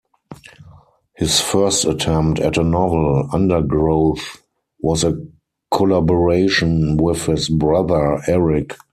His first attempt at a novel, "Undergrowth", was a collaboration with his brother, Eric.